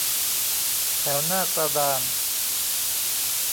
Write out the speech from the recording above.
แถวหน้ากระดาน